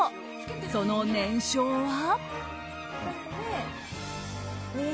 その年商は。